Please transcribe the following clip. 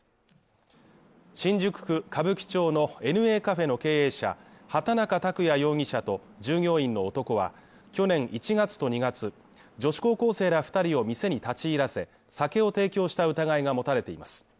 新宿区歌舞伎町のＮＡカフェの経営者、畑中卓也容疑者と、従業員の男は去年１月と２月、女子高校生ら２人を店に立ち入らせ、酒を提供した疑いが持たれています。